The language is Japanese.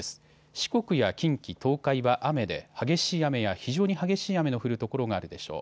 四国や近畿、東海は雨で激しい雨や非常に激しい雨の降る所があるでしょう。